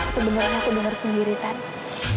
sebenarnya aku dengar sendiri kan